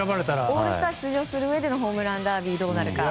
オールスターに出場するうえでのホームランダービーがどうなるか。